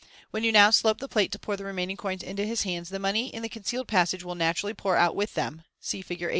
When you now slope the plate to pour the remaining coins into his hands, the money in the concealed passage will natu rally pour out with them (see Fig.